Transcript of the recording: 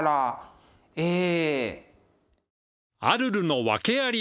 ええ。